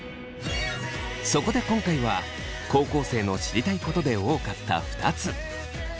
そこで今回は高校生の知りたいことで多かった２つ。